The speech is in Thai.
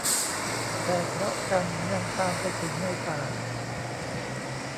แต่เคราะห์กรรมยังตามไปถึงในป่า